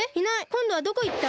こんどはどこいった？